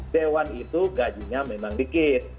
dewan itu gajinya memang dikit